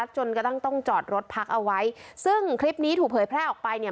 จนกระทั่งต้องจอดรถพักเอาไว้ซึ่งคลิปนี้ถูกเผยแพร่ออกไปเนี่ย